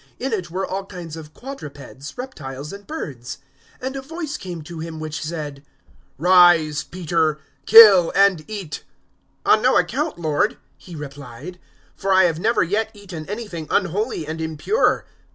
010:012 In it were all kinds of quadrupeds, reptiles and birds, 010:013 and a voice came to him which said, "Rise, Peter, kill and eat." 010:014 "On no account, Lord," he replied; "for I have never yet eaten anything unholy and impure."